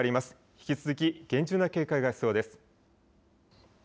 引き続き厳重な警戒が必要です。